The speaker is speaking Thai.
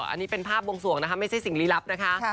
อันนี้เป็นภาพวงสวงนะคะไม่ใช่สิ่งลี้ลับนะคะ